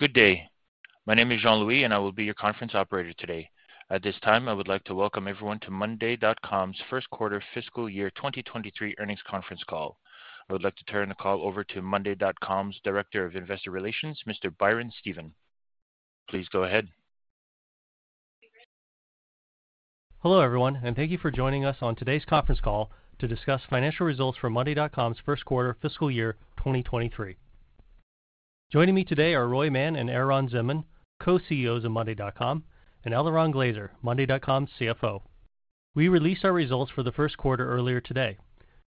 Good day. My name is Jean-Louis, I will be your conference operator today. At this time, I would like to welcome everyone to monday.com's first quarter fiscal year 2023 earnings conference call. I would like to turn the call over to monday.com's Director of Investor Relations, Mr. Byron Stephen. Please go ahead. Hello, everyone, thank you for joining us on today's conference call to discuss financial results for monday.com's first quarter fiscal year 2023. Joining me today are Roy Mann and Eran Zinman, co-CEOs of monday.com, and Eliran Glazer, monday.com's CFO. We released our results for the first quarter earlier today.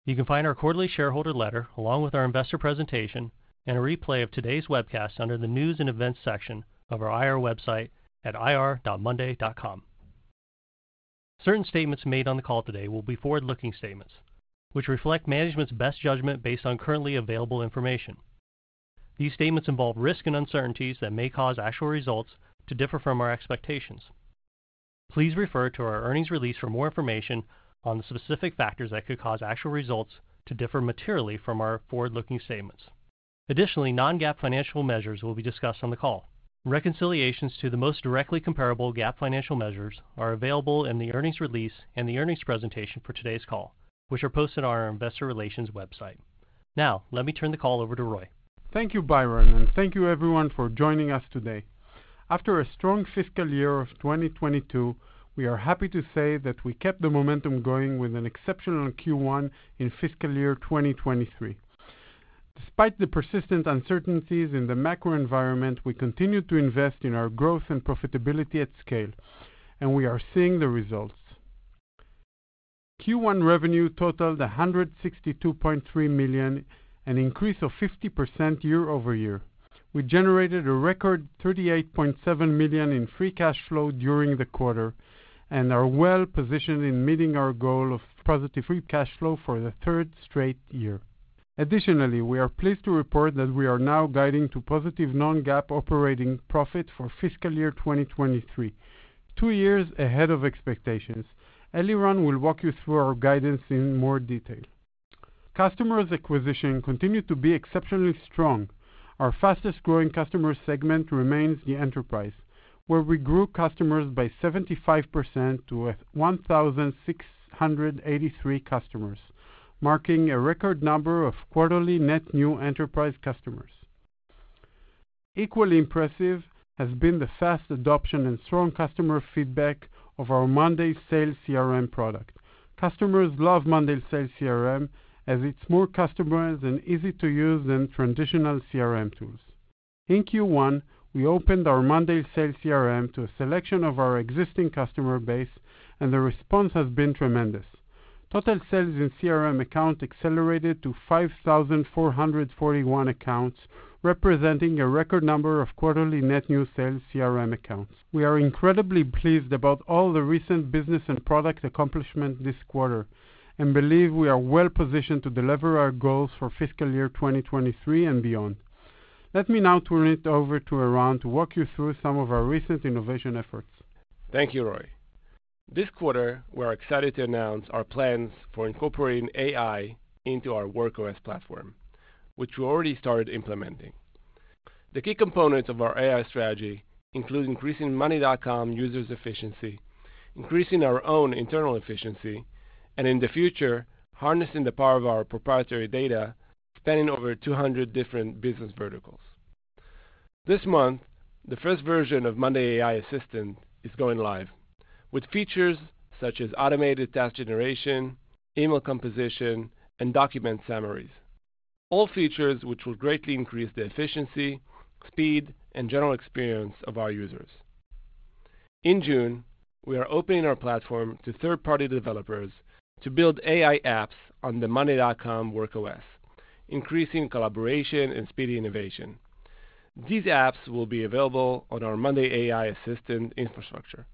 You can find our quarterly shareholder letter, along with our investor presentation and a replay of today's webcast under the News and Events section of our IR website at ir.monday.com. Certain statements made on the call today will be forward-looking statements which reflect management's best judgment based on currently available information. These statements involve risks and uncertainties that may cause actual results to differ from our expectations. Please refer to our earnings release for more information on the specific factors that could cause actual results to differ materially from our forward-looking statements. Additionally, non-GAAP financial measures will be discussed on the call. Reconciliations to the most directly comparable GAAP financial measures are available in the earnings release and the earnings presentation for today's call, which are posted on our investor relations website. Now, let me turn the call over to Roy. Thank you, Byron, and thank you everyone for joining us today. After a strong fiscal year of 2022, we are happy to say that we kept the momentum going with an exceptional Q1 in fiscal year 2023. Despite the persistent uncertainties in the macro environment, we continue to invest in our growth and profitability at scale, and we are seeing the results. Q1 revenue totaled $162.3 million, an increase of 50% year-over-year. We generated a record $38.7 million in Free Cash Flow during the quarter and are well positioned in meeting our goal of positive Free Cash Flow for the third straight year. Additionally, we are pleased to report that we are now guiding to positive non-GAAP operating profit for fiscal year 2023, two years ahead of expectations. Eliran will walk you through our guidance in more detail. Customer acquisition continued to be exceptionally strong. Our fastest-growing customer segment remains the enterprise, where we grew customers by 75% to 1,683 customers, marking a record number of quarterly net new enterprise customers. Equally impressive has been the fast adoption and strong customer feedback of our monday Sales CRM product. Customers love monday Sales CRM as it's more customized and easy to use than traditional CRM tools. In Q1, we opened our monday Sales CRM to a selection of our existing customer base. The response has been tremendous. Total sales in CRM account accelerated to 5,441 accounts, representing a record number of quarterly net new sales CRM accounts. We are incredibly pleased about all the recent business and product accomplishments this quarter and believe we are well positioned to deliver our goals for fiscal year 2023 and beyond. Let me now turn it over to Eran to walk you through some of our recent innovation efforts. Thank you, Roy Mann. This quarter, we are excited to announce our plans for incorporating AI into our Work OS platform, which we already started implementing. The key components of our AI strategy include increasing monday.com users' efficiency, increasing our own internal efficiency, and in the future, harnessing the power of our proprietary data spanning over 200 different business verticals. This month, the first version of monday AI assistant is going live with features such as automated task generation, email composition, and document summaries. All features which will greatly increase the efficiency, speed, and general experience of our users. In June, we are opening our platform to third-party developers to build AI apps on the monday.com Work OS, increasing collaboration and speedy innovation. These apps will be available on our monday AI assistant infrastructure.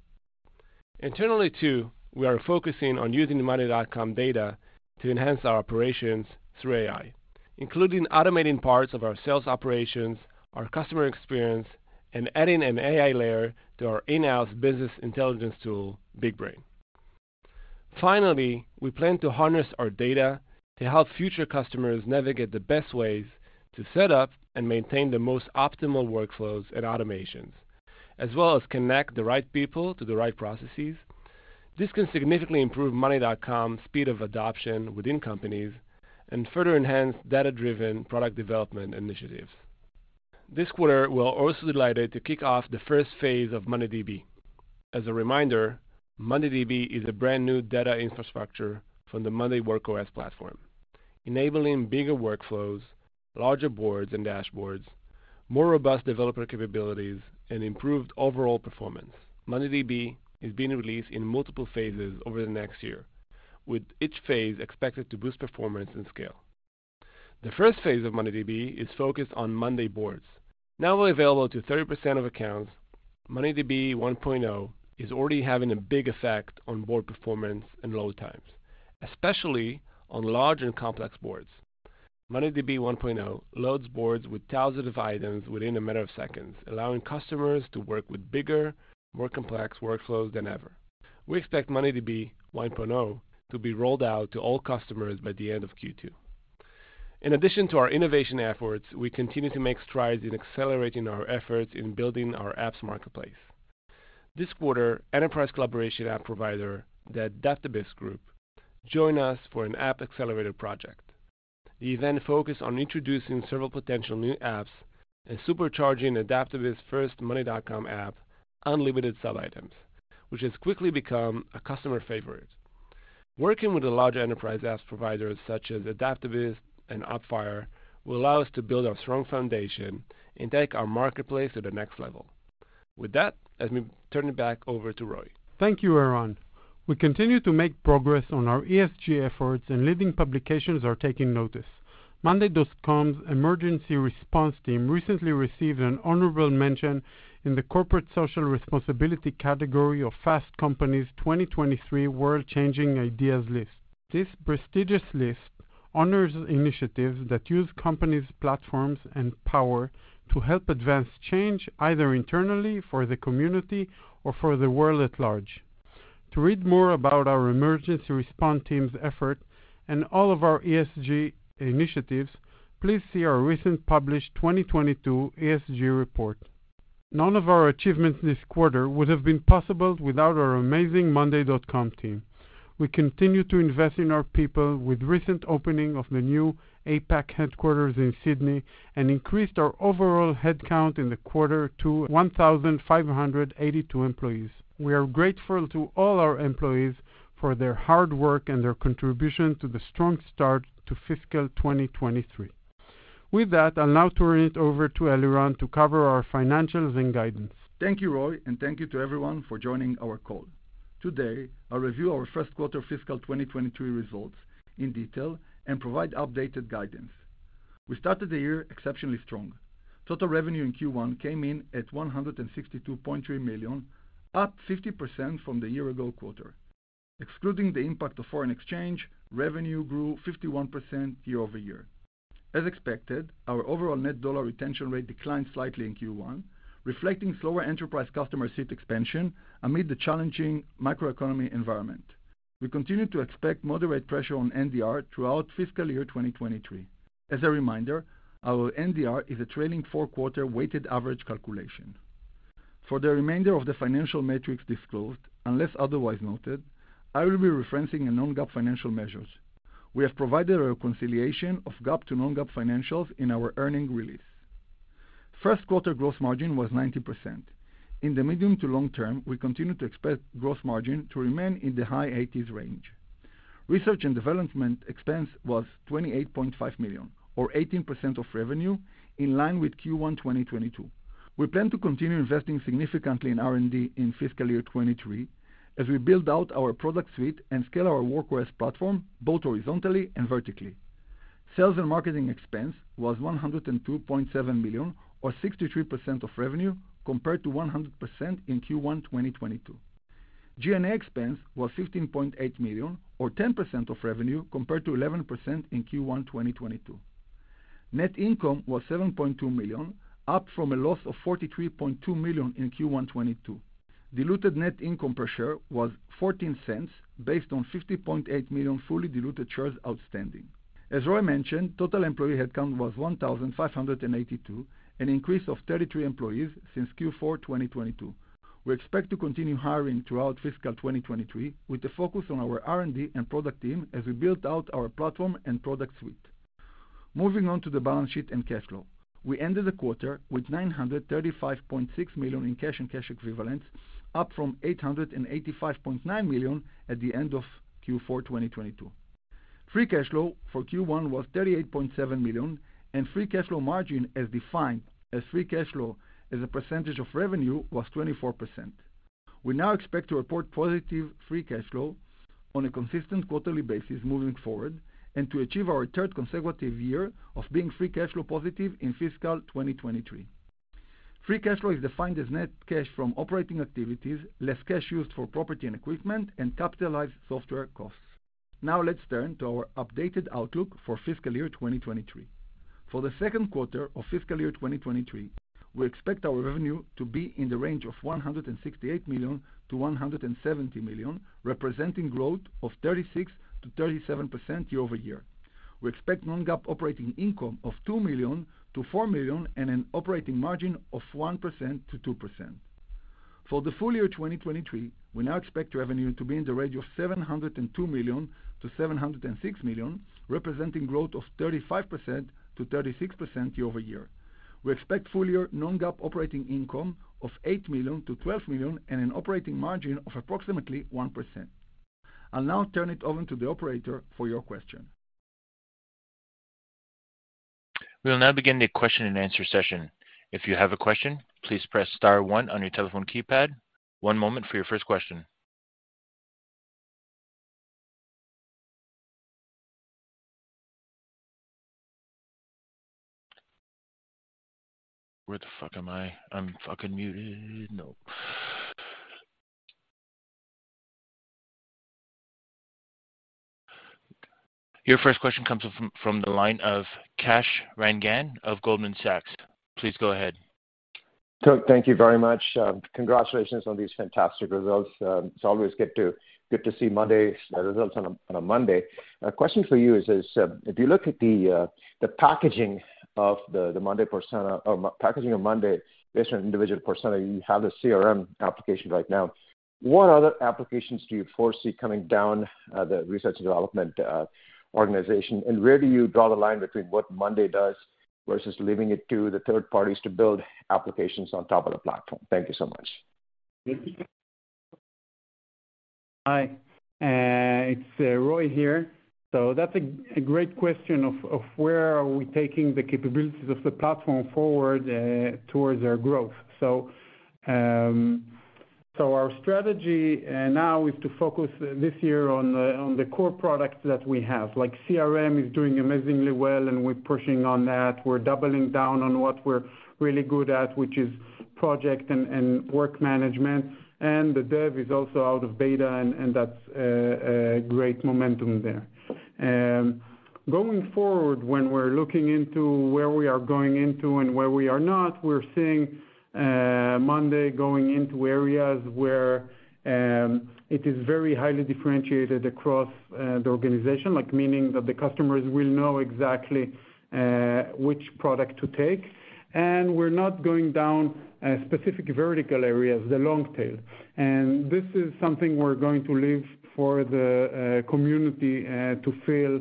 Internally too, we are focusing on using monday.com data to enhance our operations through AI, including automating parts of our sales operations, our customer experience, and adding an AI layer to our in-house business intelligence tool, Big Brain. Finally, we plan to harness our data to help future customers navigate the best ways to set up and maintain the most optimal workflows and automations, as well as connect the right people to the right processes. This can significantly improve monday.com's speed of adoption within companies and further enhance data-driven product development initiatives. This quarter, we're also delighted to kick off the first phase of mondayDB. As a reminder, mondayDB is a brand-new data infrastructure from the monday.com Work OS platform, enabling bigger workflows, larger boards and dashboards, more robust developer capabilities, and improved overall performance. mondayDB is being released in multiple phases over the next year, with each phase expected to boost performance and scale. The first phase of mondayDB is focused on monday boards. Now available to 30% of accounts, mondayDB 1.0 is already having a big effect on board performance and load times, especially on large and complex boards. mondayDB 1.0 loads boards with thousands of items within a matter of seconds, allowing customers to work with bigger, more complex workflows than ever. We expect mondayDB 1.0 to be rolled out to all customers by the end of Q2. In addition to our innovation efforts, we continue to make strides in accelerating our efforts in building our apps marketplace. This quarter, enterprise collaboration app provider, The Adaptavist Group, joined us for an app accelerator project. The event focused on introducing several potential new apps and supercharging Adaptavist first monday.com app, Unlimited Subitems, which has quickly become a customer favorite. Working with the large enterprise app providers such as Adaptavist and Appfire will allow us to build a strong foundation and take our marketplace to the next level. With that, let me turn it back over to Roy. Thank you, Eran. We continue to make progress on our ESG efforts. Leading publications are taking notice. monday.com's Emergency Response Team recently received an honorable mention in the corporate social responsibility category of Fast Company's 2023 World Changing Ideas list. This prestigious list honors initiatives that use companies' platforms and power to help advance change either internally for the community or for the world at large. To read more about our Emergency Response Team's effort and all of our ESG initiatives, please see our recent published 2022 ESG report. None of our achievements this quarter would have been possible without our amazing monday.com team. We continue to invest in our people with recent opening of the new APAC headquarters in Sydney. Increased our overall headcount in the quarter to 1,582 employees. We are grateful to all our employees for their hard work and their contribution to the strong start to fiscal 2023. With that, I'll now turn it over to Eliran to cover our financials and guidance. Thank you, Roy, thank you to everyone for joining our call. Today, I'll review our first quarter fiscal 2023 results in detail and provide updated guidance. We started the year exceptionally strong. Total revenue in Q1 came in at $162.3 million, up 50% from the year-ago quarter. Excluding the impact of foreign exchange, revenue grew 51% year-over-year. As expected, our overall Net Dollar Retention rate declined slightly in Q1, reflecting slower enterprise customer seat expansion amid the challenging macroeconomy environment. We continue to expect moderate pressure on NDR throughout fiscal year 2023. As a reminder, our NDR is a trailing four-quarter weighted average calculation. For the remainder of the financial metrics disclosed, unless otherwise noted, I will be referencing a non-GAAP financial measures. We have provided a reconciliation of GAAP to non-GAAP financials in our earnings release. First quarter gross margin was 90%. In the medium to long term, we continue to expect gross margin to remain in the high 80s range. Research and development expense was $28.5 million or 18% of revenue in line with Q1 2022. We plan to continue investing significantly in R&D in fiscal year 2023 as we build out our product suite and scale our Work OS platform, both horizontally and vertically. Sales and marketing expense was $102.7 million or 63% of revenue compared to 100% in Q1 2022. G&A expense was $15.8 million or 10% of revenue compared to 11% in Q1 2022. Net income was $7.2 million, up from a loss of $43.2 million in Q1 2022. Diluted net income per share was $0.14 based on 50.8 million fully diluted shares outstanding. As Roy mentioned, total employee headcount was 1,582, an increase of 33 employees since Q4 2022. We expect to continue hiring throughout fiscal 2023 with the focus on our R&D and product team as we build out our platform and product suite. Moving on to the balance sheet and cash flow. We ended the quarter with $935.6 million in cash and cash equivalents, up from $885.9 million at the end of Q4 2022. Free cash flow for Q1 was $38.7 million, and free cash flow margin as defined as free cash flow as a percentage of revenue was 24%. We now expect to report positive Free Cash Flow on a consistent quarterly basis moving forward and to achieve our third consecutive year of being Free Cash Flow positive in fiscal 2023. Free Cash Flow is defined as net cash from operating activities, less cash used for property and equipment and capitalized software costs. Let's turn to our updated outlook for fiscal year 2023. For the second quarter of fiscal year 2023, we expect our revenue to be in the range of $168 million-$170 million, representing growth of 36%-37% year-over-year. We expect non-GAAP operating income of $2 million-$4 million and an operating margin of 1%-2%. For the full year 2023, we now expect revenue to be in the range of $702 million-$706 million, representing growth of 35%-36% year-over-year. We expect full year non-GAAP operating income of $8 million-$12 million and an operating margin of approximately 1%. I'll now turn it over to the operator for your question. We will now begin the question and answer session. If you have a question, please press star one on your telephone keypad. One moment for your first question. Where the fuck am I? I'm fucking muted. No. Your first question comes from the line of Kash Rangan of Goldman Sachs. Please go ahead. Thank you very much. Congratulations on these fantastic results. It's always good to see Monday's results on a Monday. A question for you is, if you look at the packaging of the Monday persona or packaging of Monday based on individual persona, you have the CRM application right now. What other applications do you foresee coming down the research and development organization? Where do you draw the line between what Monday does versus leaving it to the 3rd parties to build applications on top of the platform? Thank you so much. Hi, it's Roy here. That's a great question of where are we taking the capabilities of the platform forward towards our growth. Our strategy now is to focus this year on the core products that we have, like CRM is doing amazingly well, and we're pushing on that. We're doubling down on what we're really good at, which is project and work management. The dev is also out of beta, and that's a great momentum there. Going forward, when we're looking into where we are going into and where we are not, we're seeing monday.com going into areas where it is very highly differentiated across the organization. Like, meaning that the customers will know exactly which product to take. We're not going down specific vertical areas, the long tail. This is something we're going to leave for the community to fill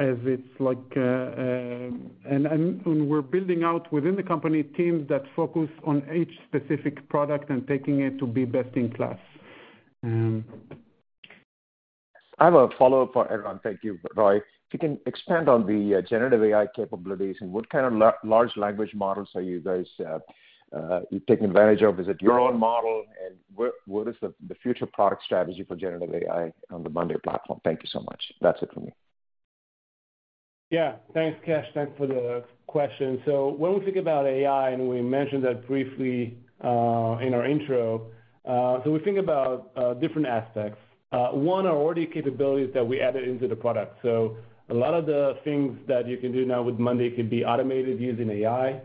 as it's like. We're building out within the company teams that focus on each specific product and taking it to be best in class. I have a follow-up for Eran. Thank you, Roy. If you can expand on the generative AI capabilities and what kind of large language models are you guys taking advantage of? Is it your own model? What is the future product strategy for generative AI on the monday platform? Thank you so much. That's it for me. Yeah. Thanks, Kash. Thanks for the question. When we think about AI, and we mentioned that briefly, in our intro, we think about different aspects. One are already capabilities that we added into the product. A lot of the things that you can do now with Monday could be automated using AI,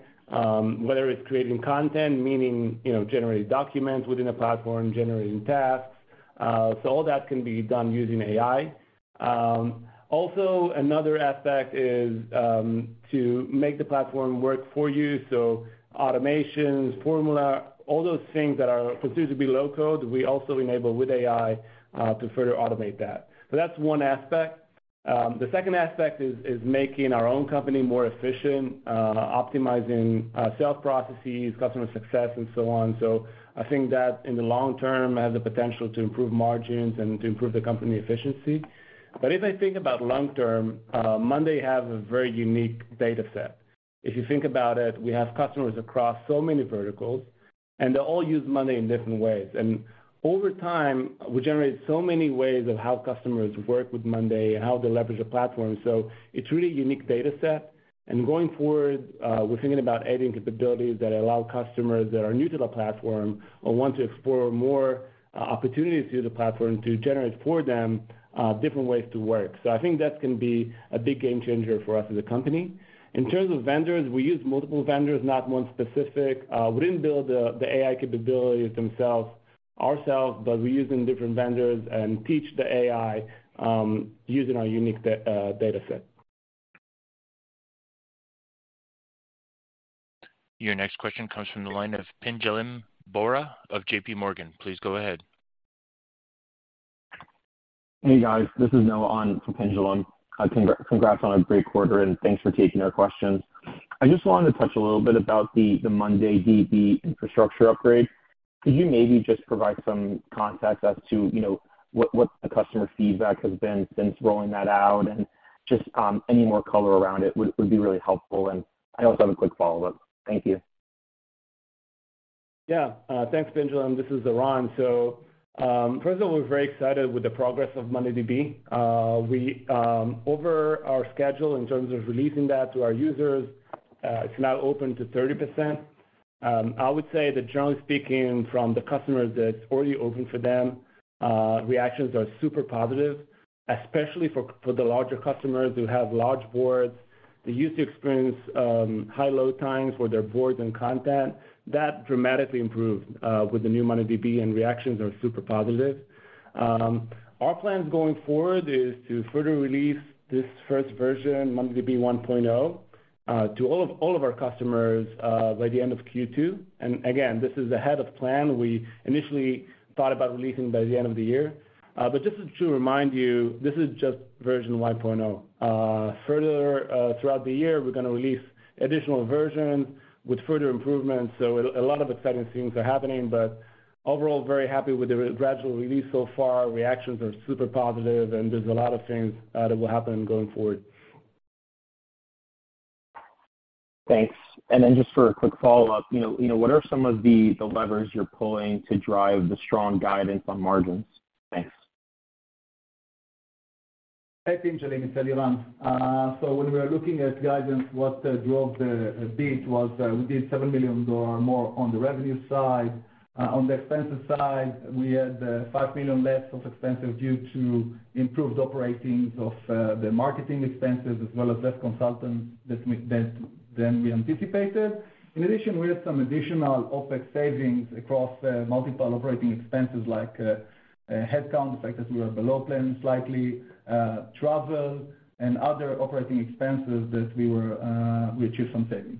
whether it's creating content, meaning, you know, generating documents within a platform, generating tasks. All that can be done using AI. Also another aspect is to make the platform work for you, automations, formula, all those things that are perceived to be low code, we also enable with AI to further automate that. That's one aspect. The second aspect is making our own company more efficient, optimizing sales processes, customer success and so on. I think that in the long term has the potential to improve margins and to improve the company efficiency. If I think about long term, Monday have a very unique data set. If you think about it, we have customers across so many verticals, and they all use Monday in different ways. Over time, we generate so many ways of how customers work with Monday and how they leverage the platform. It's really unique data set. Going forward, we're thinking about adding capabilities that allow customers that are new to the platform or want to explore more opportunities through the platform to generate for them, different ways to work. I think that's gonna be a big game changer for us as a company. In terms of vendors, we use multiple vendors, not one specific. We didn't build the AI capabilities themselves, ourselves, but we're using different vendors and teach the AI, using our unique data set. Your next question comes from the line of Pinjalim Bora of J.P. Morgan. Please go ahead. Hey, guys. This is Noah on for Pinjalim. Congrats on a great quarter, and thanks for taking our questions. I just wanted to touch a little bit about the mondayDB infrastructure upgrade. Could you maybe just provide some context as to, you know, what the customer feedback has been since rolling that out? Just any more color around it would be really helpful. I also have a quick follow-up. Thank you. Yeah. Thanks, Pinjalim. This is Eran. First of all, we're very excited with the progress of mondayDB. We, over our schedule in terms of releasing that to our users, it's now open to 30%. I would say that generally speaking from the customers that it's already open for them, reactions are super positive, especially for the larger customers who have large boards. They used to experience high load times for their boards and content. That dramatically improved with the new mondayDB, and reactions are super positive. Our plans going forward is to further release this first version, mondayDB 1.0, to all of our customers by the end of Q2. Again, this is ahead of plan. We initially thought about releasing by the end of the year. Just to remind you, this is just version 1.0. Further, throughout the year, we're gonna release additional version with further improvements. A lot of exciting things are happening, but overall very happy with the gradual release so far. Reactions are super positive, there's a lot of things that will happen going forward. Thanks. Just for a quick follow-up, you know, what are some of the levers you're pulling to drive the strong guidance on margins? Thanks. Hi, team. Jeremy, it's Eran Zinman. When we are looking at guidance, what drove the beat was, we did $7 million or more on the revenue side. On the expenses side, we had $5 million less of expenses due to improved operating of the marketing expenses as well as less consultants that we less than we anticipated. In addition, we had some additional OpEx savings across multiple operating expenses like headcount, in fact, as we were below plan slightly, travel and other operating expenses that we were, we achieved some savings.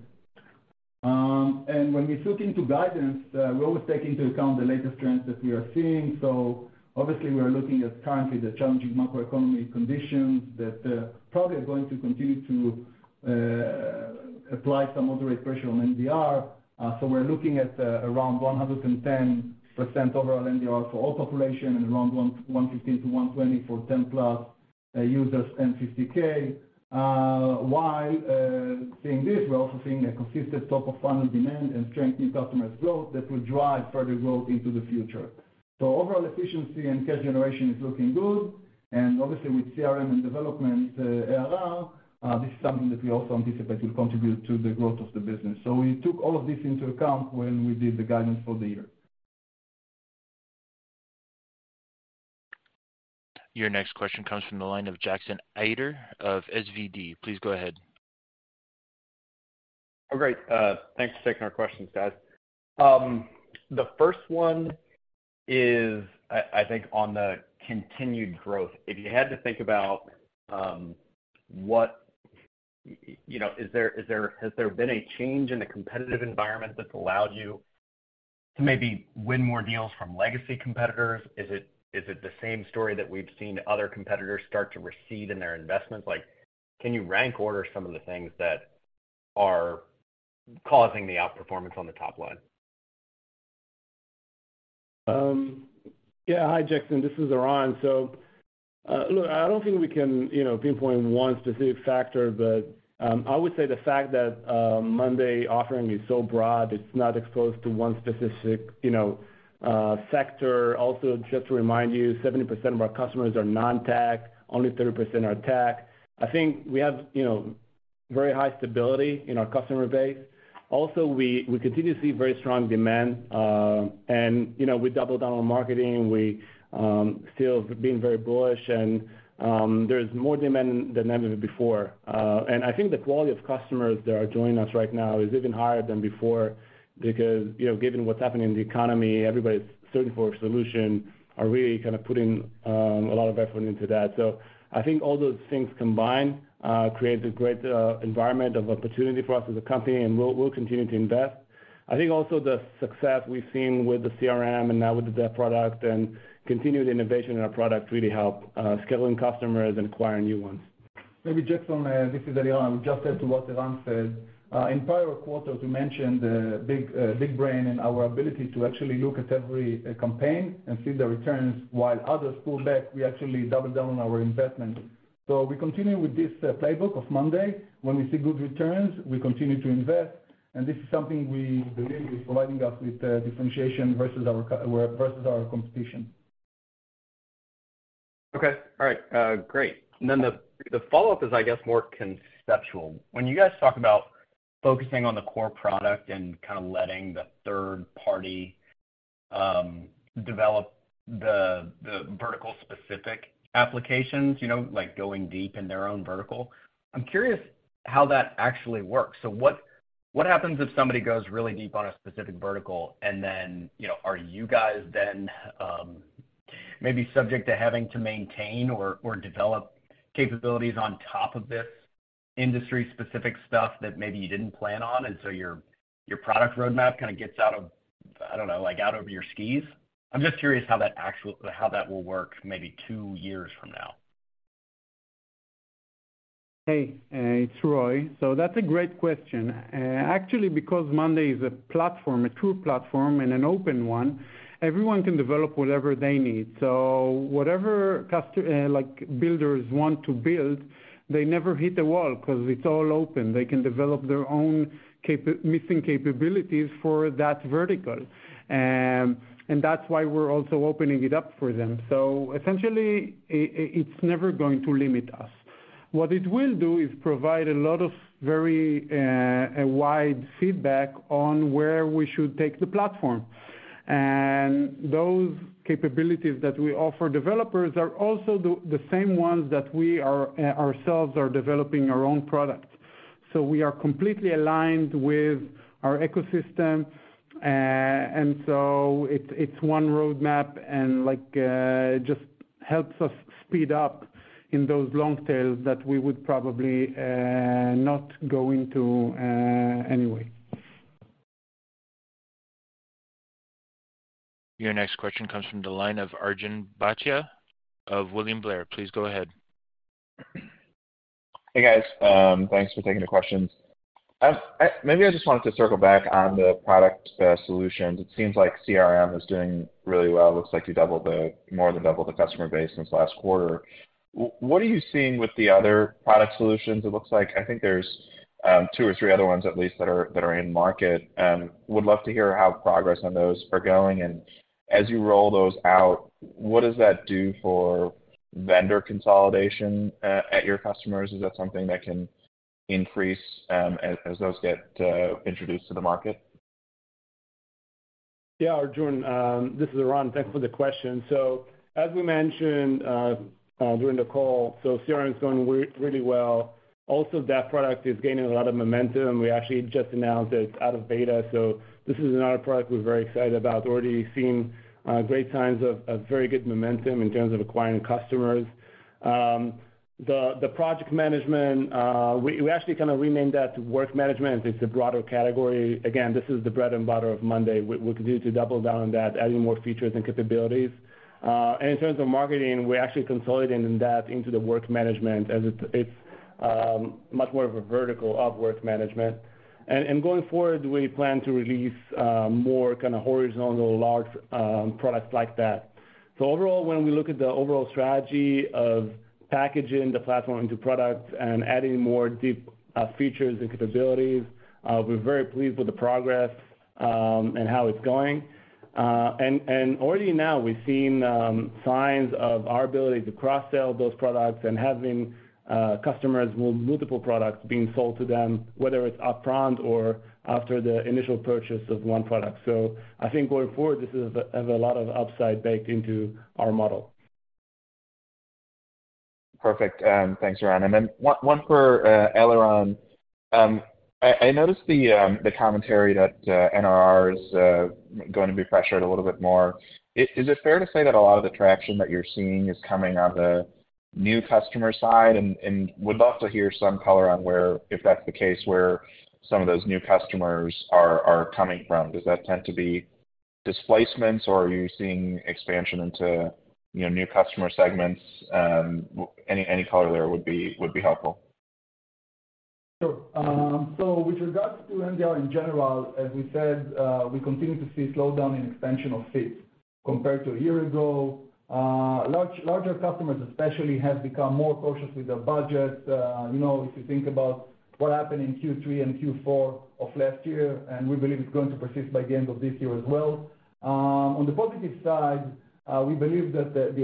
When we look into guidance, we always take into account the latest trends that we are seeing. Obviously we are looking at currently the challenging macroeconomy conditions that probably are going to continue to apply some moderate pressure on NDR. We're looking at around 110% overall NDR for all population and around 115-120 for 10+ users and $50,000. While seeing this, we're also seeing a consistent top-of-funnel demand and strength in customers growth that will drive further growth into the future. Overall efficiency and cash generation is looking good. Obviously with CRM and development ARR, this is something that we also anticipate will contribute to the growth of the business. We took all of this into account when we did the guidance for the year. Your next question comes from the line of Jackson Ader of SVB MoffettNathanson. Please go ahead. Great. Thanks for taking our questions, guys. The first one is, I think on the continued growth, if you had to think about, what, you know, has there been a change in the competitive environment that's allowed you to maybe win more deals from legacy competitors? Is it the same story that we've seen other competitors start to recede in their investments? Like, can you rank order some of the things that are causing the outperformance on the top line? Yeah. Hi, Jackson, this is Eran. Look, I don't think we can, you know, pinpoint one specific factor, but I would say the fact that Monday offering is so broad, it's not exposed to one specific, you know, sector. Also, just to remind you, 70% of our customers are non-tech, only 30% are tech. I think we have, you know, very high stability in our customer base. Also, we continue to see very strong demand. You know, we doubled down on marketing. We still being very bullish and there's more demand than ever before. I think the quality of customers that are joining us right now is even higher than before because, you know, given what's happening in the economy, everybody's searching for a solution are really kind of putting a lot of effort into that. I think all those things combined creates a great environment of opportunity for us as a company, and we'll continue to invest. I think also the success we've seen with the CRM and now with the dev product and continued innovation in our product really help scaling customers and acquiring new ones. Maybe Jackson Ader, this is Eliran, just add to what Eran Zinman said. In prior quarters, we mentioned the Big Brain in our ability to actually look at every campaign and see the returns. While others pull back, we actually double down on our investments. We continue with this playbook of Monday. When we see good returns, we continue to invest, this is something we believe is providing us with differentiation versus our versus our competition. Okay. All right. great. The, the follow-up is, I guess, more conceptual. When you guys talk about focusing on the core product and kind of letting the third party develop the vertical specific applications, you know, like going deep in their own vertical, I'm curious how that actually works. What happens if somebody goes really deep on a specific vertical and then, you know, are you guys then maybe subject to having to maintain or develop capabilities on top of this industry specific stuff that maybe you didn't plan on, and so your product roadmap kind of gets out of, I don't know, like, out of your skis? I'm just curious how that will work maybe two years from now. Hey, it's Roy. That's a great question. Actually, because Monday is a platform, a tool platform and an open one, everyone can develop whatever they need. Whatever like builders want to build, they never hit a wall ’cause it's all open. They can develop their own missing capabilities for that vertical. That's why we're also opening it up for them. Essentially, it's never going to limit us. What it will do is provide a lot of very wide feedback on where we should take the platform. Those capabilities that we offer developers are also the same ones that we ourselves are developing our own product. We are completely aligned with our ecosystem. It's one roadmap and just helps us speed up in those long tails that we would probably not go into anyway. Your next question comes from the line of Arjun Bhatia of William Blair. Please go ahead. Hey, guys. Thanks for taking the questions. Maybe I just wanted to circle back on the product solutions. It seems like CRM is doing really well. It looks like you more than doubled the customer base since last quarter. What are you seeing with the other product solutions? It looks like I think there's two or three other ones at least that are in market. Would love to hear how progress on those are going. As you roll those out, what does that do for vendor consolidation at your customers? Is that something that can increase, as those get, introduced to the market? Yeah, Arjun, this is Eran. Thanks for the question. As we mentioned during the call, CRM is going really well. Also, that product is gaining a lot of momentum. We actually just announced that it's out of beta, this is another product we're very excited about. Already seeing great signs of very good momentum in terms of acquiring customers. The project management, we actually kinda renamed that to work management. It's a broader category. Again, this is the bread and butter of monday. We continue to double down on that, adding more features and capabilities. And in terms of marketing, we're actually consolidating that into the work management, as it's much more of a vertical of work management. Going forward, we plan to release more kinda horizontal large products like that. Overall, when we look at the overall strategy of packaging the platform into products and adding more deep features and capabilities, we're very pleased with the progress and how it's going. Already now we've seen signs of our ability to cross-sell those products and having customers with multiple products being sold to them, whether it's upfront or after the initial purchase of one product. I think going forward, this has a lot of upside baked into our model. Perfect. Thanks, Eran. Then one for Eliran. I noticed the commentary that NRR is going to be pressured a little bit more. Is it fair to say that a lot of the traction that you're seeing is coming on the new customer side? Would love to hear some color on where, if that's the case, where some of those new customers are coming from. Does that tend to be displacements, or are you seeing expansion into, you know, new customer segments? Any color there would be helpful. Sure. With regards to NDR in general, as we said, we continue to see a slowdown in expansion of fees compared to a year ago. Larger customers especially have become more cautious with their budget. You know, if you think about what happened in Q3 and Q4 of last year, and we believe it's going to persist by the end of this year as well. On the positive side, we believe that the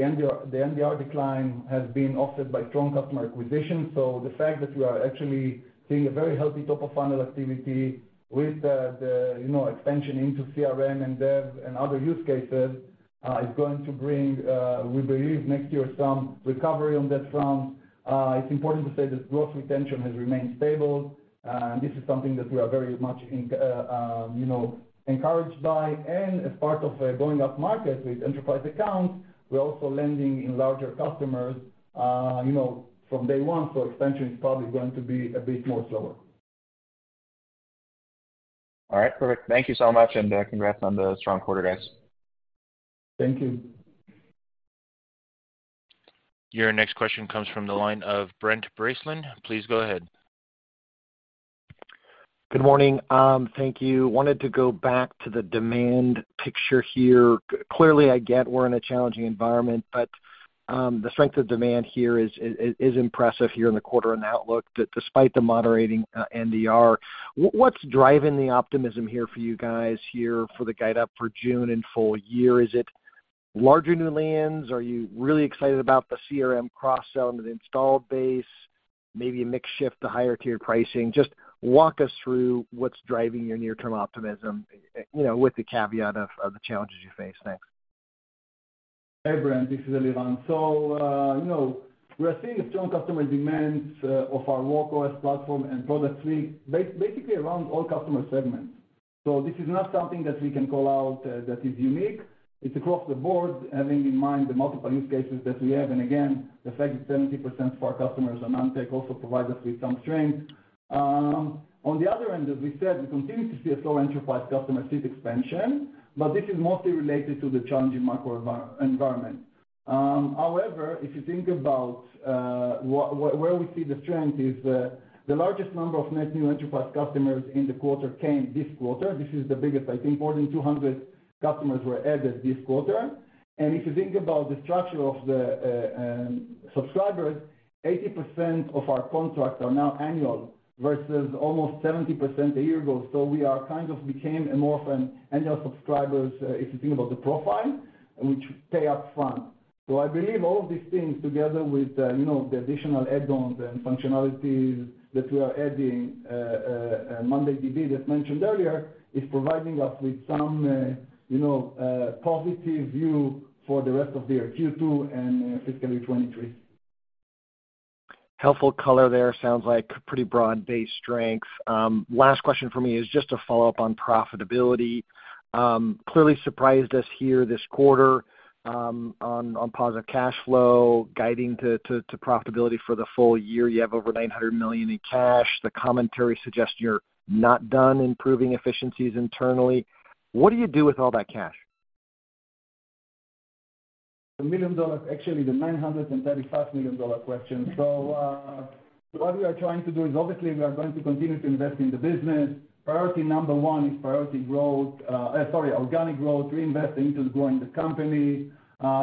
NDR decline has been offset by strong customer acquisition. The fact that we are actually seeing a very healthy top of funnel activity with, you know, expansion into CRM and Dev and other use cases, is going to bring, we believe next year some recovery on that front. It's important to say that growth retention has remained stable. This is something that we are very much you know, encouraged by. As part of a going up market with enterprise accounts, we're also landing in larger customers, you know, from day one, so expansion is probably going to be a bit more slower. All right. Perfect. Thank you so much, and, congrats on the strong quarter, guys. Thank you. Your next question comes from the line of Brent Bracelin. Please go ahead. Good morning. Thank you. Wanted to go back to the demand picture here. Clearly, I get we're in a challenging environment, but the strength of demand here is impressive here in the quarter and outlook despite the moderating NDR. What's driving the optimism here for you guys here for the guide up for June and full year? Is it larger new lands? Are you really excited about the CRM cross-sell and the installed base? Maybe a mix shift to higher tier pricing. Just walk us through what's driving your near-term optimism, you know, with the caveat of the challenges you face. Thanks. Hey, Brent, this is Eliran. You know, we are seeing a strong customer demand of our Work OS platform and product suite basically around all customer segments. This is not something that we can call out that is unique. It's across the board, having in mind the multiple use cases that we have. Again, the fact that 70% of our customers are non-tech also provide us with some strength. On the other end, as we said, we continue to see a slow enterprise customer seat expansion, but this is mostly related to the challenging macro environment. However, if you think about where we see the strength is the largest number of net new enterprise customers in the quarter came this quarter. This is the biggest. I think more than 200 customers were added this quarter. If you think about the structure of the subscribers, 80% of our contracts are now annual versus almost 70% a year ago. We are kind of became more of an annual subscribers, if you think about the profile, which pay up front. I believe all of these things together with, you know, the additional add-ons and functionalities that we are adding, mondayDB, as mentioned earlier, is providing us with some, you know, positive view for the rest of the year, Q2 and fiscal year 2023. Helpful color there. Sounds like pretty broad-based strength. Last question from me is just a follow-up on profitability. Clearly surprised us here this quarter, on positive cash flow, guiding to profitability for the full year. You have over $900 million in cash. The commentary suggests you're not done improving efficiencies internally. What do you do with all that cash? Actually the $935 million dollar question. What we are trying to do is, obviously, we are going to continue to invest in the business. Priority number one is priority growth, sorry, organic growth, reinvest into growing the company.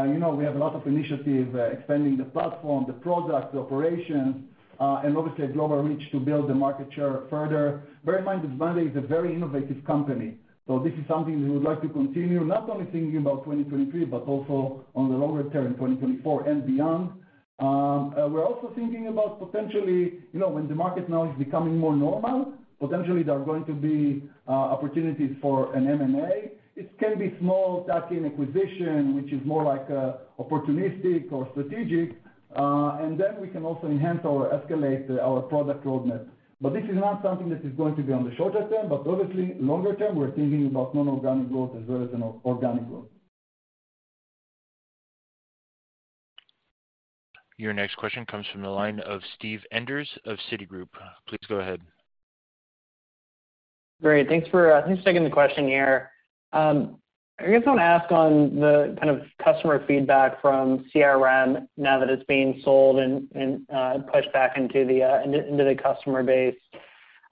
You know, we have a lot of initiative, expanding the platform, the product, the operations, and obviously a global reach to build the market share further. Bear in mind that Monday is a very innovative company, so this is something we would like to continue, not only thinking about 2023, but also on the longer term, 2024 and beyond. We're also thinking about potentially, you know, when the market now is becoming more normal, potentially there are going to be opportunities for an M&A. It can be small tuck-in acquisition, which is more like opportunistic or strategic. We can also enhance or escalate our product roadmap. This is not something that is going to be on the shorter term, but obviously, longer term, we're thinking about non-organic growth as well as organic growth. Your next question comes from the line of Steven Enders of Citigroup. Please go ahead. Great. Thanks for, thanks for taking the question here. I guess I want to ask on the kind of customer feedback from CRM now that it's being sold and pushed back into the customer base.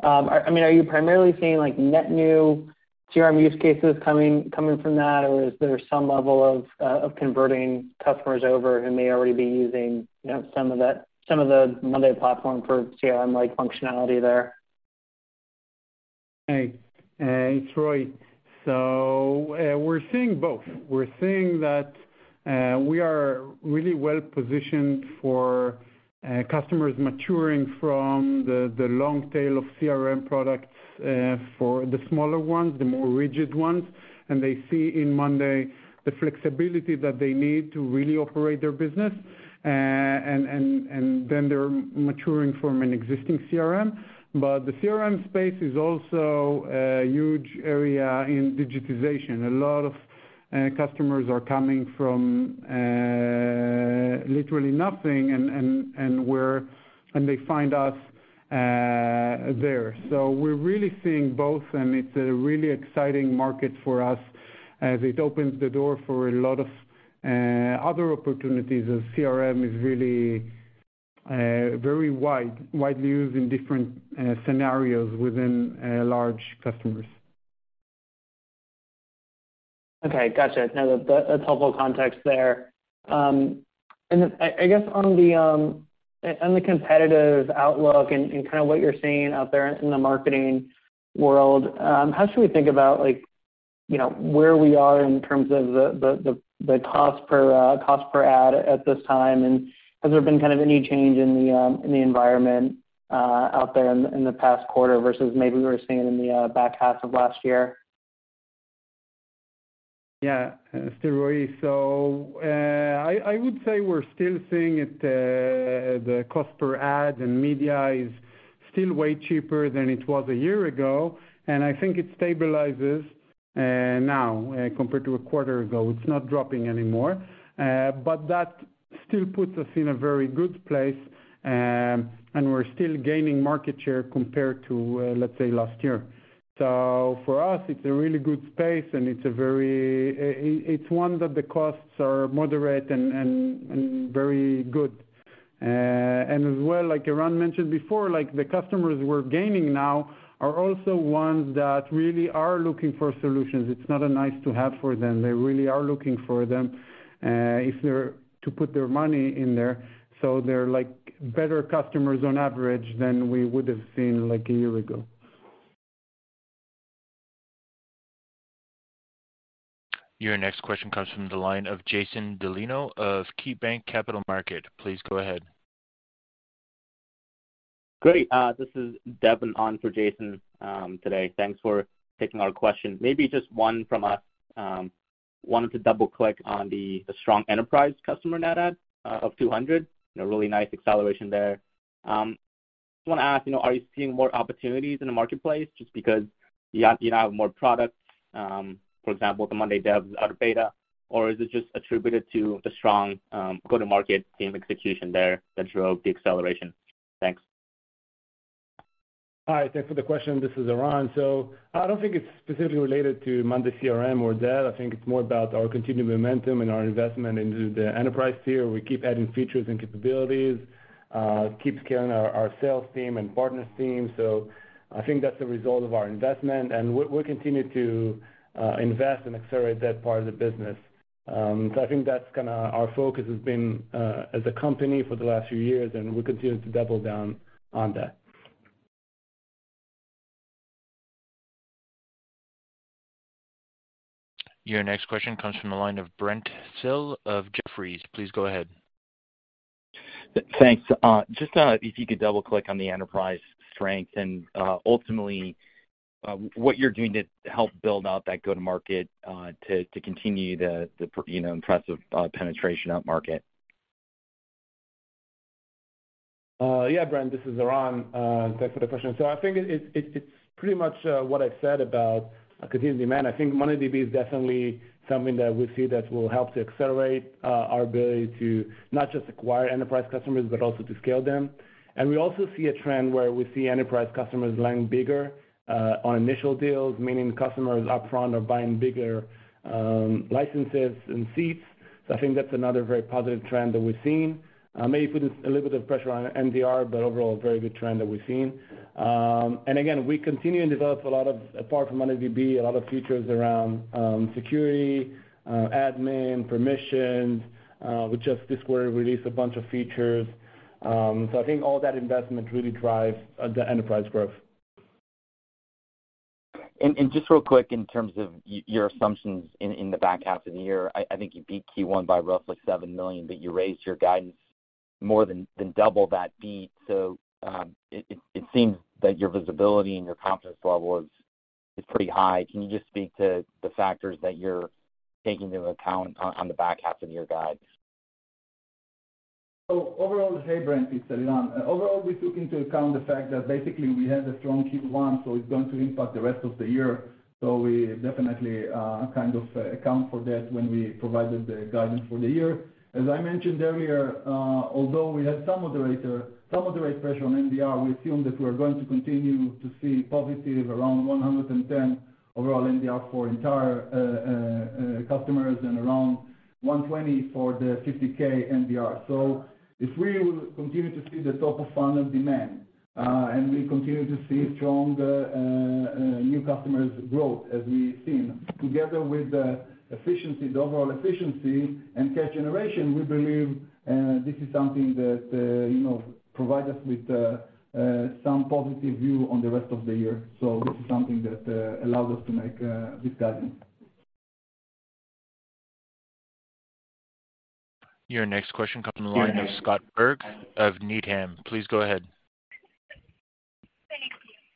I mean, are you primarily seeing like net new CRM use cases coming from that? Or is there some level of converting customers over who may already be using, you know, some of that, some of the Monday platform for CRM-like functionality there? Hey, it's Roy. We're seeing both. We're seeing that we are really well-positioned for customers maturing from the long tail of CRM products for the smaller ones, the more rigid ones. They see in monday.com the flexibility that they need to really operate their business. And then they're maturing from an existing CRM. The CRM space is also a huge area in digitization. A lot of customers are coming from literally nothing and they find us there. We're really seeing both, and it's a really exciting market for us as it opens the door for a lot of other opportunities as CRM is really very widely used in different scenarios within large customers. Okay. Got you. No, that's helpful context there. I guess on the competitive outlook and kind of what you're seeing out there in the marketing world, how should we think about like, you know, where we are in terms of the cost per ad at this time? Has there been kind of any change in the environment out there in the past quarter versus maybe we were seeing in the back half of last year? Yeah. Still Roy. I would say we're still seeing it, the cost per ad and media is still way cheaper than it was a year ago, and I think it stabilizes now, compared to a quarter ago. It's not dropping anymore. That still puts us in a very good place. We're still gaining market share compared to, let's say, last year. For us, it's a really good space, and it's a very one that the costs are moderate and very good. As well, like Eran mentioned before, like the customers we're gaining now are also ones that really are looking for solutions. It's not a nice to have for them. They really are looking for them, if they're to put their money in there, so they're like better customers on average than we would have seen like a year ago. Your next question comes from the line of Jason Celino of KeyBanc Capital Markets. Please go ahead. Great. This is Devin on for Jason today. Thanks for taking our question. Maybe just one from us. Wanted to double-click on the strong enterprise customer net add of 200. A really nice acceleration there. Just wanna ask, you know, are you seeing more opportunities in the marketplace just because you have, you now have more products, for example, the monday dev out of beta? Or is it just attributed to the strong go-to-market team execution there that drove the acceleration? Thanks. Hi. Thanks for the question. This is Eran. I don't think it's specifically related to monday CRM or dev. I think it's more about our continued momentum and our investment into the enterprise tier. We keep adding features and capabilities, keep scaling our sales team and partners team. I think that's a result of our investment, and we'll continue to invest and accelerate that part of the business. I think that's kinda our focus has been as a company for the last few years, and we're continuing to double down on that. Your next question comes from the line of Brent Thill of Jefferies. Please go ahead. Thanks. Just, if you could double-click on the enterprise strength and, ultimately, what you're doing to help build out that go-to-market, to continue the, you know, impressive penetration upmarket. Yeah, Brent, this is Eran. Thanks for the question. I think it's pretty much what I said about continued demand. I think mondayDB is definitely something that we see that will help to accelerate our ability to not just acquire enterprise customers, but also to scale them. We also see a trend where we see enterprise customers land bigger on initial deals, meaning customers upfront are buying bigger licenses and seats. I think that's another very positive trend that we've seen. Maybe putting a little bit of pressure on NDR, but overall, a very good trend that we've seen. Again, we continue to develop a lot of, apart from mondayDB, a lot of features around security, admin, permissions. We just this quarter released a bunch of features. I think all that investment really drives the enterprise growth. Just real quick in terms of your assumptions in the back half of the year. I think you beat Q1 by roughly $7 million, but you raised your guidance more than double that beat. It seems that your visibility and your confidence level is pretty high. Can you just speak to the factors that you're taking into account on the back half of your guide? Hey, Brent, it's Eran. Overall, we took into account the fact that basically we had a strong Q1, it's going to impact the rest of the year. We definitely kind of account for that when we provided the guidance for the year. As I mentioned earlier, although we had some of the rate pressure on NDR, we assume that we are going to continue to see positive around 110 overall NDR for entire customers and around 120 for the 50K NDR. If we will continue to see the top of funnel demand, and we continue to see strong new customers growth as we've seen together with the efficiency, the overall efficiency and cash generation, we believe, this is something that, you know, provide us with some positive view on the rest of the year. This is something that allowed us to make this guidance. Your next question comes from the line of Scott Berg of Needham. Please go ahead.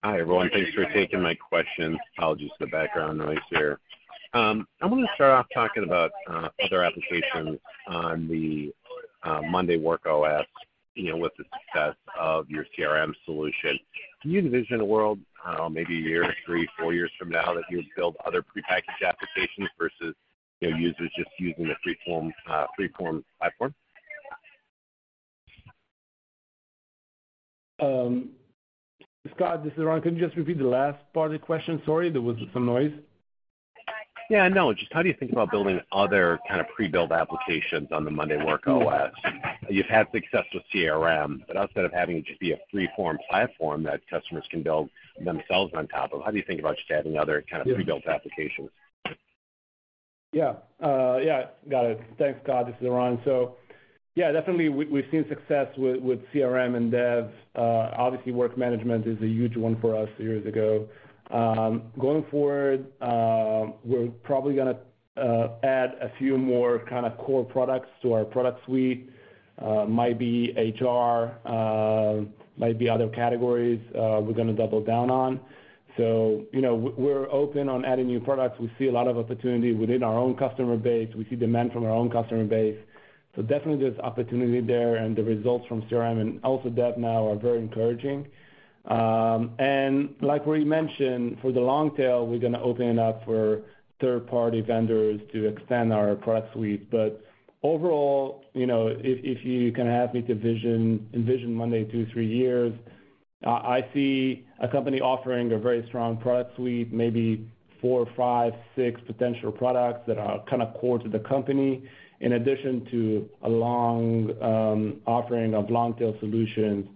Hi, everyone. Thanks for taking my questions. Apologies for the background noise here. I want to start off talking about other applications on the monday.com Work OS, you know, with the success of your CRM solution. Can you envision a world, maybe a year, three, four years from now that you would build other prepackaged applications versus, you know, users just using the free form free form platform? Scott, this is Eran. Can you just repeat the last part of the question? Sorry, there was some noise. Yeah, no. Just how do you think about building other kind of pre-built applications on the monday.com Work OS? You've had success with CRM, but instead of having it just be a free form platform that customers can build themselves on top of, how do you think about just adding other kind of pre-built applications? Yeah. Yeah, got it. Thanks, Scott. This is Eran. Yeah, definitely we've seen success with CRM and Dev. Obviously Work OS is a huge one for us years ago. Going forward, we're probably gonna add a few more kind of core products to our product suite. Might be HR, might be other categories we're gonna double down on. You know, we're open on adding new products. We see a lot of opportunity within our own customer base. We see demand from our own customer base. Definitely there's opportunity there and the results from CRM and also Dev now are very encouraging. Like we mentioned, for the long tail, we're gonna open it up for third-party vendors to extend our product suite. Overall, you know, if you can have me envision monday.com 2, 3 years, I see a company offering a very strong product suite, maybe 4, 5, 6 potential products that are kind of core to the company, in addition to a long offering of long-tail solutions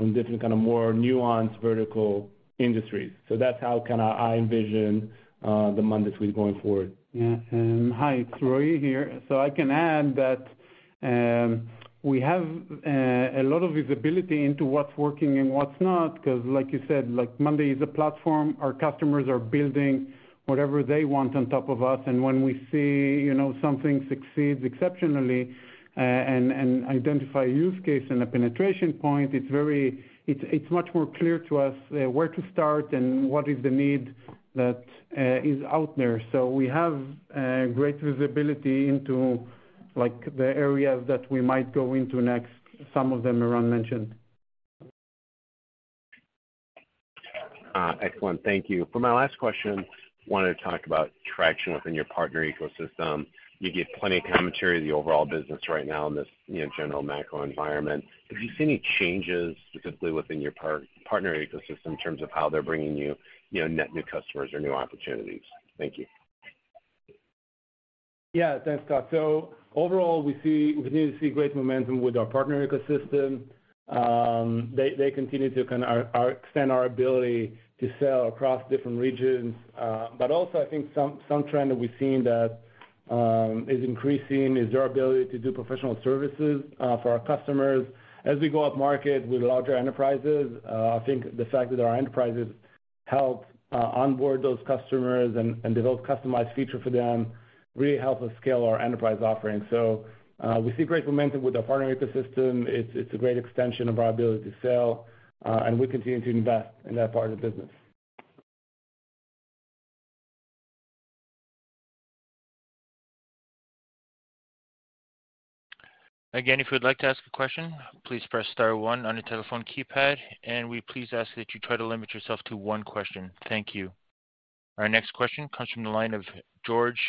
from different kind of more nuanced vertical industries. That's how kind of I envision the monday.com suite going forward. Hi, it's Roy here. I can add that, we have a lot of visibility into what's working and what's not, 'cause like you said, like Monday is a platform. Our customers are building whatever they want on top of us. When we see, you know, something succeeds exceptionally, and identify use case and a penetration point, it's much more clear to us, where to start and what is the need that is out there. We have great visibility into like the areas that we might go into next, some of them Eran mentioned. Excellent. Thank you. For my last question, wanted to talk about traction within your partner ecosystem. You give plenty of commentary on the overall business right now in this, you know, general macro environment. Have you seen any changes specifically within your partner ecosystem in terms of how they're bringing you know, net new customers or new opportunities? Thank you. Yeah. Thanks, Scott. Overall, we continue to see great momentum with our partner ecosystem. They continue to kind of extend our ability to sell across different regions. Also, I think some trend that we've seen that is increasing is our ability to do professional services for our customers. As we go up market with larger enterprises, I think the fact that our enterprises help onboard those customers and develop customized feature for them really help us scale our enterprise offerings. We see great momentum with our partner ecosystem. It's a great extension of our ability to sell, and we continue to invest in that part of the business. Again, if you'd like to ask a question, please press star one on your telephone keypad. We please ask that you try to limit yourself to one question. Thank you. Our next question comes from the line of George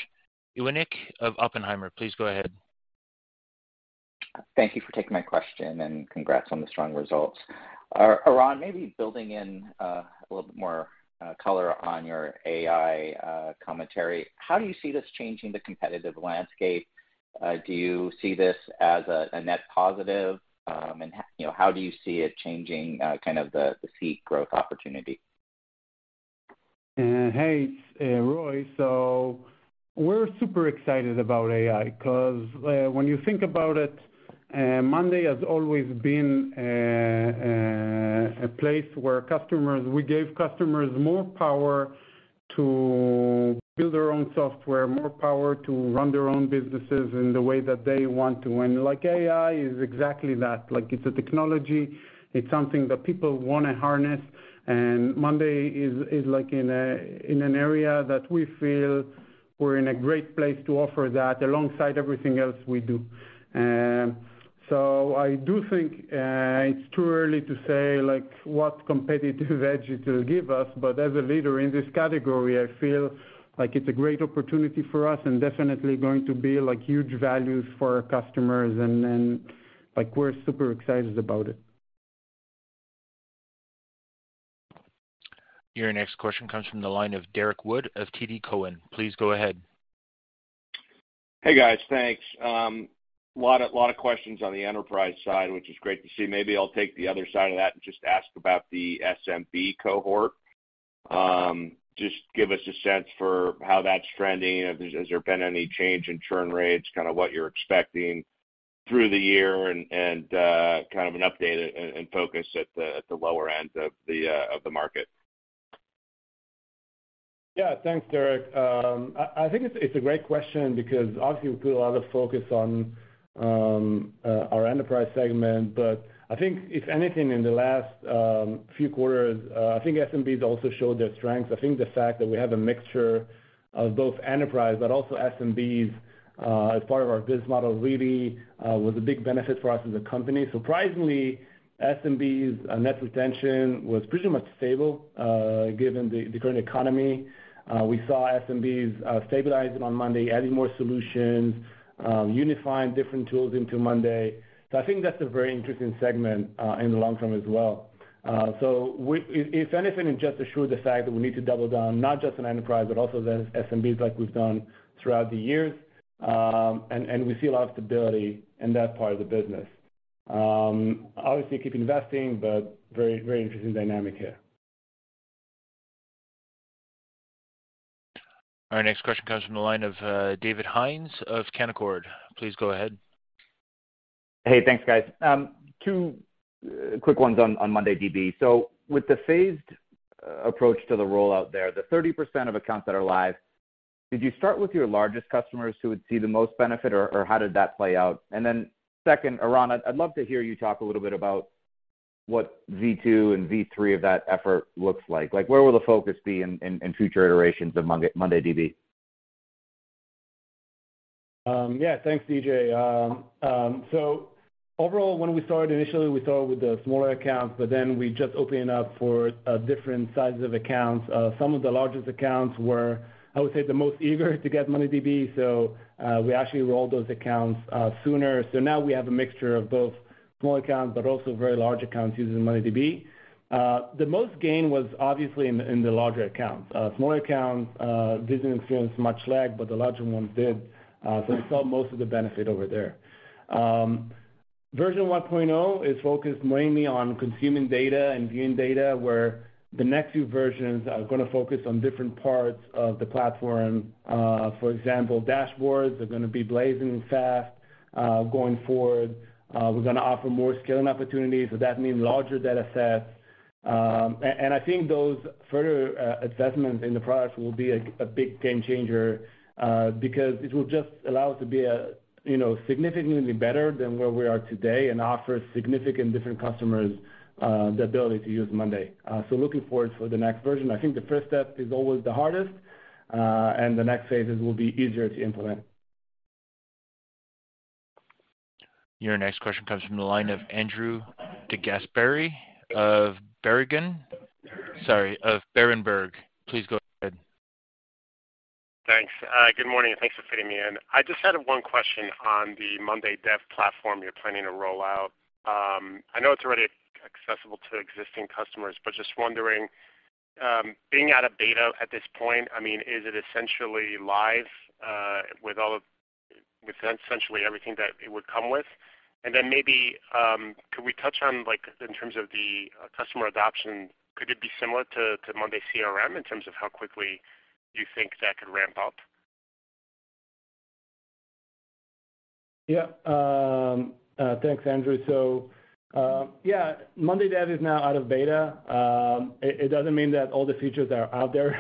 Iwanyc of Oppenheimer. Please go ahead. Thank you for taking my question. Congrats on the strong results. Eran, maybe building in a little bit more color on your AI commentary, how do you see this changing the competitive landscape? Do you see this as a net positive? You know, how do you see it changing kind of the seek growth opportunity? hey, it's Roy. We're super excited about AI because when you think about it, monday.com has always been a place where We gave customers more power to build their own software, more power to run their own businesses in the way that they want to. Like AI is exactly that. Like, it's a technology, it's something that people wanna harness, monday.com is like in a, in an area that we feel we're in a great place to offer that alongside everything else we do. I do think it's too early to say like what competitive edge it'll give us, as a leader in this category, I feel like it's a great opportunity for us and definitely going to be like huge value for our customers and like, we're super excited about it. Your next question comes from the line of Derrick Wood of TD Cowen. Please go ahead. Hey, guys. Thanks. lot of questions on the enterprise side, which is great to see. Maybe I'll take the other side of that and just ask about the SMB cohort. just give us a sense for how that's trending. Has there been any change in churn rates, kind of what you're expecting through the year and, kind of an update and focus at the, at the lower end of the market? Yeah. Thanks, Derrick. I think it's a great question because obviously we put a lot of focus on our enterprise segment, but I think if anything in the last few quarters, SMBs also showed their strength. I think the fact that we have a mixture of both enterprise but also SMBs as part of our biz model really was a big benefit for us as a company. Surprisingly, SMB's net retention was pretty much stable given the current economy. We saw SMBs stabilizing on Monday, adding more solutions, unifying different tools into Monday. I think that's a very interesting segment in the long term as well. If anything, it just assured the fact that we need to double down not just on enterprise, but also the SMBs like we've done throughout the years. We see a lot of stability in that part of the business. Obviously keep investing, but very interesting dynamic here. All right. Next question comes from the line of David Hynes of Canaccord. Please go ahead. Hey, thanks, guys. Two quick ones on mondayDB. With the phased approach to the rollout there, the 30% of accounts that are live, did you start with your largest customers who would see the most benefit, or how did that play out? Second, Eran, I'd love to hear you talk a little bit about what V2 and V3 of that effort looks like. Like, where will the focus be in future iterations of mondayDB? Yeah. Thanks, DJ. Overall, when we started, initially, we started with the smaller accounts, but then we just opened up for different sizes of accounts. Some of the largest accounts were, I would say, the most eager to get mondayDB. We actually rolled those accounts sooner. Now we have a mixture of both small accounts, but also very large accounts using mondayDB. The most gain was obviously in the larger accounts. Smaller accounts didn't experience much lag, but the larger ones did. We saw most of the benefit over there. Version 1.0 is focused mainly on consuming data and viewing data, where the next few versions are gonna focus on different parts of the platform. For example, dashboards are gonna be blazing fast going forward. We're gonna offer more scaling opportunities. That means larger datasets. I think those further advancements in the product will be a big game changer, because it will just allow us to be, you know, significantly better than where we are today and offer significant different customers the ability to use monday.com. Looking forward for the next version. I think the first step is always the hardest, the next phases will be easier to implement. Your next question comes from the line of Andrew DeGasperi of Berenberg. Sorry, of Berenberg. Please go ahead. Thanks. Good morning, and thanks for fitting me in. I just had one question on the monday dev platform you're planning to roll out. I know it's already accessible to existing customers, but just wondering, being out of beta at this point, I mean, is it essentially live with essentially everything that it would come with? Then maybe, could we touch on, like, in terms of the customer adoption, could it be similar to monday CRM in terms of how quickly you think that could ramp up? Thanks, Andrew. monday dev is now out of beta. It, it doesn't mean that all the features are out there.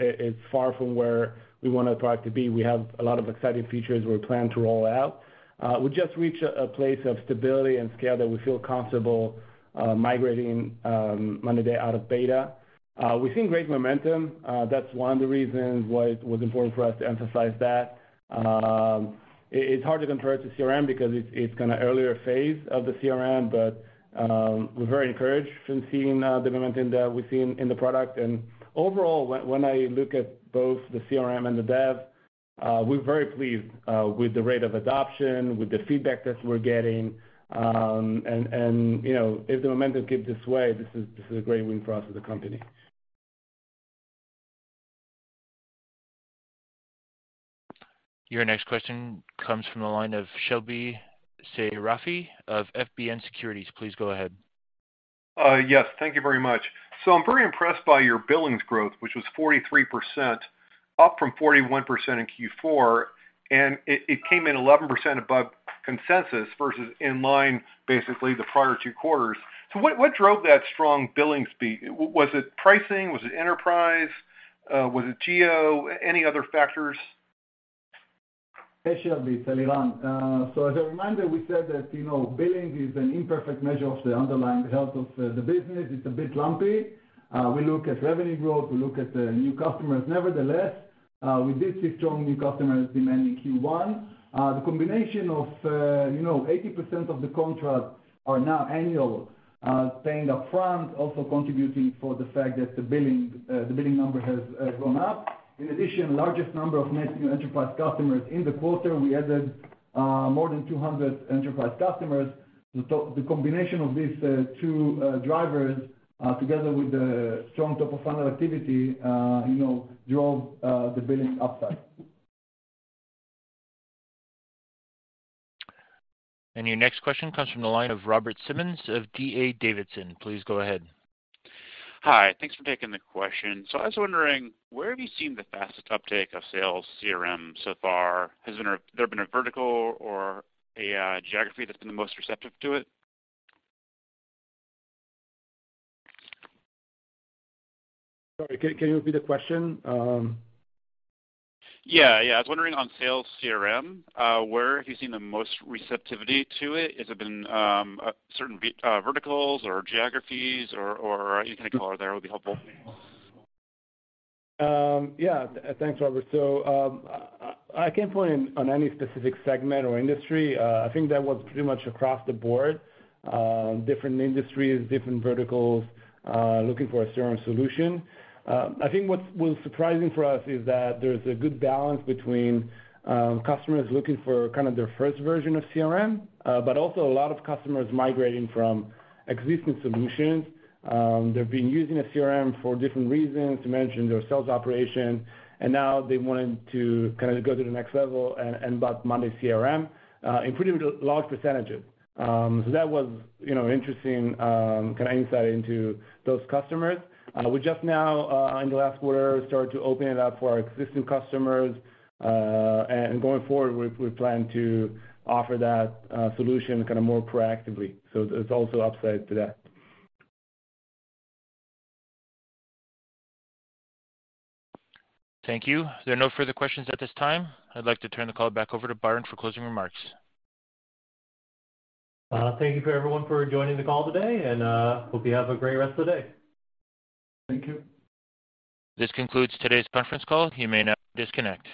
It, it's far from where we want the product to be. We have a lot of exciting features we plan to roll out. We just reached a place of stability and scale that we feel comfortable migrating monday dev out of beta. We've seen great momentum. That's one of the reasons why it was important for us to emphasize that. It, it's hard to compare it to CRM because it's kinda earlier phase of the CRM, but we're very encouraged from seeing the momentum that we've seen in the product. Overall, when I look at both the CRM and the dev, we're very pleased with the rate of adoption, with the feedback that we're getting. You know, if the momentum keeps its way, this is a great win for us as a company. Your next question comes from the line of Shebly Seyrafi of FBN Securities. Please go ahead. Yes, thank you very much. I'm very impressed by your billings growth, which was 43%, up from 41% in Q4, and it came in 11% above consensus versus in line, basically the prior two quarters. What drove that strong billings fee? Was it pricing? Was it enterprise? Was it GEO? Any other factors? Shebly Seyrafi, it's Eliran Glazer. As a reminder, we said that, you know, billing is an imperfect measure of the underlying health of the business. It's a bit lumpy. We look at revenue growth, we look at the new customers. Nevertheless, we did see strong new customers demanding Q1. The combination of, you know, 80% of the contracts are now annual, paying upfront, also contributing for the fact that the billing number has gone up. In addition, largest number of net new enterprise customers in the quarter, we added more than 200 enterprise customers. The combination of these two drivers, together with the strong top of funnel activity, you know, drove the billings upside. Your next question comes from the line of Robert Simmons of D.A. Davidson. Please go ahead. Hi. Thanks for taking the question. I was wondering where have you seen the fastest uptake of sales CRM so far? Has there been a vertical or a geography that's been the most receptive to it? Sorry. Can you repeat the question? Yeah, yeah. I was wondering on Sales CRM, where have you seen the most receptivity to it? Has it been certain verticals or geographies or any kind of color there would be helpful. Yeah. Thanks, Robert. I can't point on any specific segment or industry. I think that was pretty much across the board, different industries, different verticals, looking for a certain solution. I think what was surprising for us is that there's a good balance between customers looking for kind of their first version of CRM, but also a lot of customers migrating from existing solutions. They've been using a CRM for different reasons, to manage their sales operation, and now they want to kind of go to the next level and buy monday CRM, in pretty large percentages. That was, you know, interesting, kind of insight into those customers. We just now, in the last quarter, started to open it up for our existing customers. Going forward, we plan to offer that solution kind of more proactively. There's also upside to that. Thank you. There are no further questions at this time. I'd like to turn the call back over to Byron for closing remarks. Thank you for everyone for joining the call today, and hope you have a great rest of the day. Thank you. This concludes today's conference call. You may now disconnect.